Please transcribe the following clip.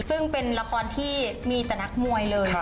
ซึ่งเป็นละครที่มีแต่นักมวยเลย